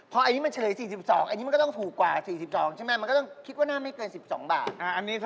พออันนี้มันเฉลย๔๒อันนี้มันก็ต้องถูกกว่า๔๒ใช่ไหมมันก็ต้องคิดว่าน่าไม่เกิน๑๒บาท